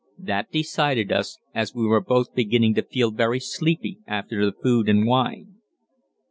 That decided us, as we were both beginning to feel very sleepy after the food and wine.